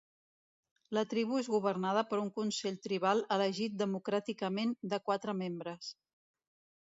La tribu és governada per un consell tribal elegit democràticament de quatre membres.